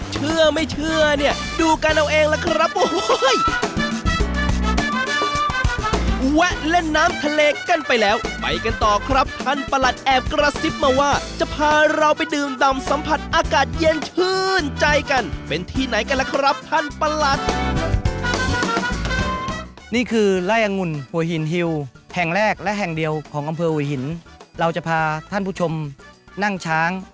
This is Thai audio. เชื่อไม่เชื่อเนี่ยดูกันเอาเองล่ะครับโอ้โห